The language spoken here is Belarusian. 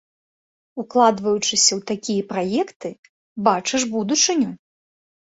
Укладваючыся ў такія праекты, бачыш будучыню.